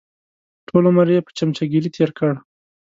ټول عمر یې په چمچهګیري تېر کړ.